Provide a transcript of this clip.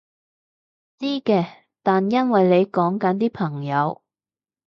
知嘅，但因為你講緊啲朋友